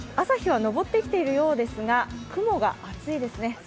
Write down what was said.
朝日は昇ってきているようですが雲が厚いですね。